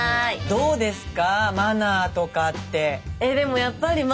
どうですか？